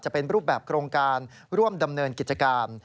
จะเป็นรูปแบบโครงการร่วมดำเนินกิจการ